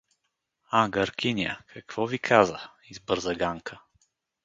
— А, гъркиня! Какво ви каза? — избърза Ганка.